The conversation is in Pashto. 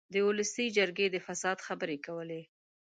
د اولسي جرګې د فساد خبرې کولې.